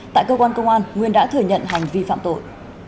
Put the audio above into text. tại cơ quan công an nguyên đã thừa nhận hành vi phạm tội